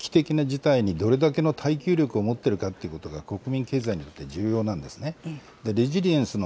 回復力、つまり危機的な事態にどれだけの耐久力を持ってるかということが、国民経済にとって重要なんですね。